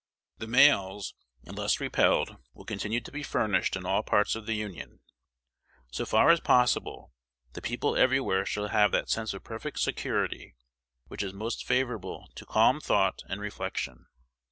The mails, unless repelled, will continue to be furnished in all parts of the Union. So far as possible, the people everywhere shall have that sense of perfect security which is most favorable to calm thought and reflection.